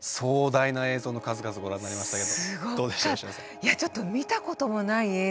いやちょっと見たこともない映像